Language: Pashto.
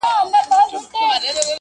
په ځنګله کي به حلال یا غرغړه سم-